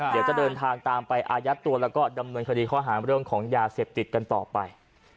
เดี๋ยวจะเดินทางตามไปอายัดตัวแล้วก็ดำเนินคดีข้อหาเรื่องของยาเสพติดกันต่อไป